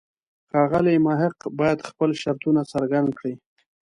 ښاغلی محق باید خپل شرطونه څرګند کړي.